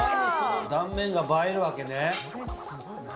断面が映えるわけね。